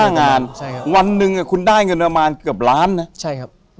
๕งานวันหนึ่งคุณได้เงินอามาร์นเกือบล้านนะ